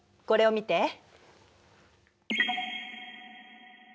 これを見て。